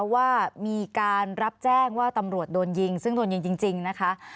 ว่ามีการรับแจ้งว่าตำรวจโดนยิงซึ่งโดนยิงจริงนะคะ